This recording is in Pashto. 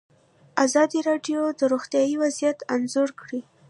ازادي راډیو د روغتیا وضعیت انځور کړی.